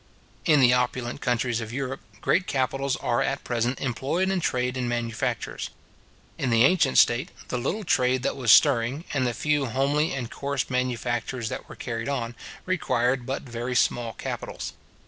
In the opulent countries of Europe, great capitals are at present employed in trade and manufactures. In the ancient state, the little trade that was stirring, and the few homely and coarse manufactures that were carried on, required but very small capitals.